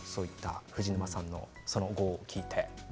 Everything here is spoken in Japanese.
藤沼さんのその後を聞いて。